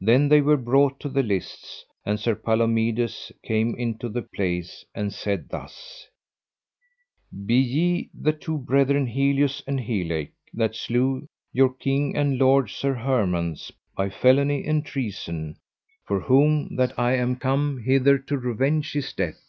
Then they were brought to the lists, and Sir Palomides came into the place and said thus: Be ye the two brethren, Helius and Helake, that slew your king and lord, Sir Hermance, by felony and treason, for whom that I am come hither to revenge his death?